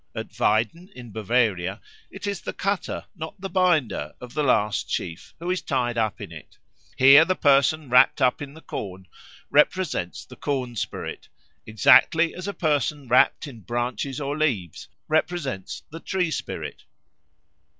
At Weiden, in Bavaria, it is the cutter, not the binder, of the last sheaf who is tied up in it. Here the person wrapt up in the corn represents the corn spirit, exactly as a person wrapt in branches or leaves represents the tree spirit.